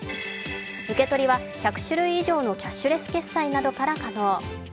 受け取りは１００種類以上のキャッシュレス決済などから可能。